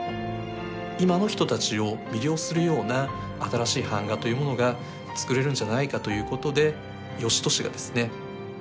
今の人たちを魅了するような新しい版画というものが作れるんじゃないかということで芳年がですね